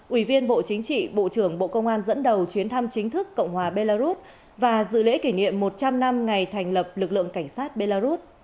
ủy viên bộ chính trị bộ trưởng bộ công an dẫn đầu chuyến thăm chính thức cộng hòa belarus và dự lễ kỷ niệm một trăm linh năm ngày thành lập lực lượng cảnh sát belarus